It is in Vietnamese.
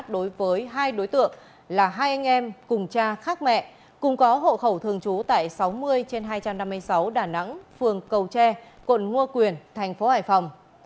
đối tượng là hai anh em cùng cha khác mẹ cùng có hộ khẩu thường trú tại sáu mươi trên hai trăm năm mươi sáu đà nẵng phường cầu tre quận ngo quyền tp hải phòng